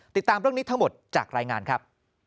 ติดตามเรื่องนี้ทั้งหมดจากรายงานครับ